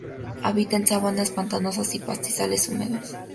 Habita en sabanas pantanosas y pastizales húmedos.